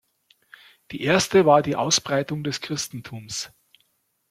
Die erste war die Ausbreitung des Christentums.